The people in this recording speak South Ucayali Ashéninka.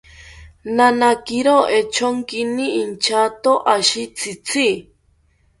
Nanakiro echonkini inchato ashi tzitzi